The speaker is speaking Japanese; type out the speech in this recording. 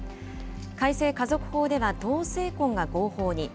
改正家族法では同性婚が合法に。